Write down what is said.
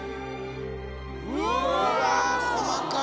うわ細かい！